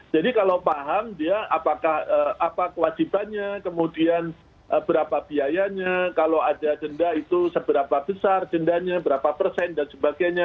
jadi kalau paham dia apa kewajibannya kemudian berapa biayanya kalau ada denda itu seberapa besar dendanya berapa persen dan sebagainya